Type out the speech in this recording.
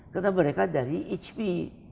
kata mereka dari icpi